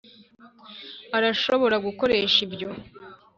arashobora gukoresha ibyo.